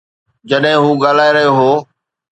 جڏهن هو ڳالهائي رهيو هو.